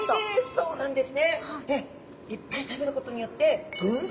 そうなんです。